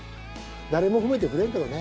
誰も褒めてくれんけどね。